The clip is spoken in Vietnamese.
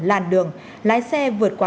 làn đường lái xe vượt quá